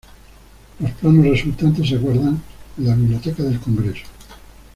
Los planos resultantes se guardan en la Biblioteca del Congreso.